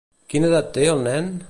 Quina edat té el nen?